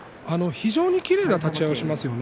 非常にきれいな立ち合いをしますよね。